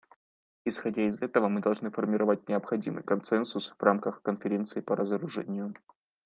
Исходя из этого мы должны формировать необходимый консенсус в рамках Конференции по разоружению.